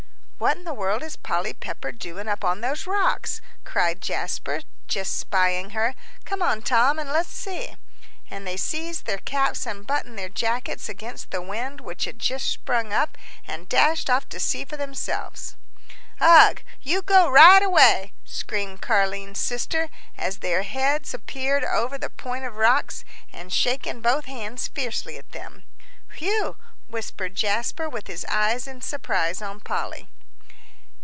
_" "What in the world is Polly Pepper doing up on those rocks?" cried Jasper, just spying her. "Come on, Tom, and let's see." And they seized their caps, and buttoned their jackets against the wind which had just sprung up, and dashed off to see for themselves. "Ugh you go right away!" screamed Car'line's sister, as their heads appeared over the point of rocks, and shaking both hands fiercely at them. "Whew!" whistled Jasper, with his eyes in surprise on Polly.